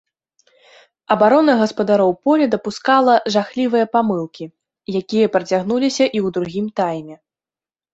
Абарона гаспадароў поля дапускала жахлівыя памылкі, якія працягнуліся і ў другім тайме.